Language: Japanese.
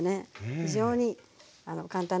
非常に簡単ですよ。